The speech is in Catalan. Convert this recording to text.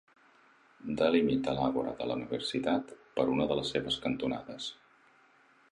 Delimita l'Àgora de la universitat per una de les seves cantonades.